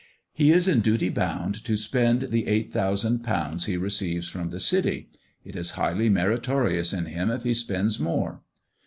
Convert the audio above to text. He is in duty bound to spend the eight thousand pounds he receives from the City; it is highly meritorious in him if he spends more.